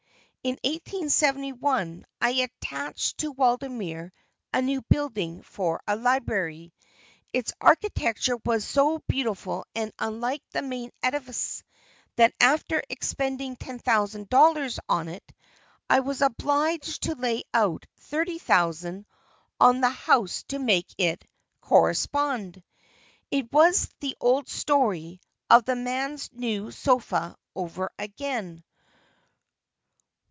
In 1871 I attached to Waldemere a new building for a library. Its architecture was so beautiful and unlike the main edifice that after expending $10,000 on it, I was obliged to lay out $30,000 on the house to make it "correspond!" It was the old story of the man's new sofa over again.